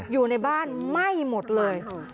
อยู่ในบ้านไหม้หมดเลย